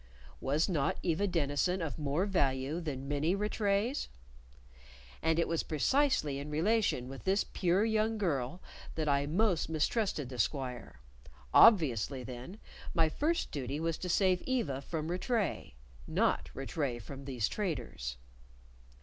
Was not Eva Denison of more value than many Rattrays? And it was precisely in relation with this pure young girl that I most mistrusted the squire: obviously then my first duty was to save Eva from Rattray, not Rattray from these traitors.